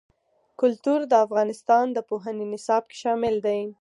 کلتور د افغانستان د پوهنې نصاب کې شامل دي.